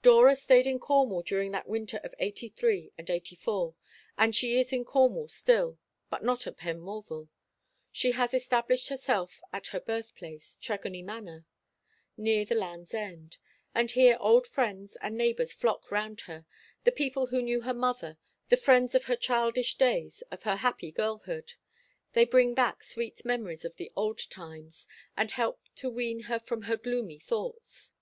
Dora stayed in Cornwall during that winter of '83 and '84, and she is in Cornwall still, but not at Penmorval. She has established herself at her birth place, Tregony Manor, near the Land's End; and here old friends and neighbours flock round her, the people who knew her mother, the friends of her childish days, of her happy girlhood. They bring back sweet memories of the old time, and help to wean her from her gloomy thoughts.